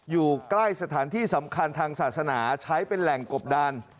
อยู่ใกล้สถานที่สำคัญทางศาสนาใช้เป็นแหล่งกบดาน